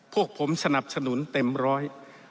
พวกผมสนับสนุนเต็มร้อย